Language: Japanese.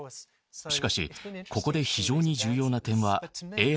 しかしここで非常に重要な点は。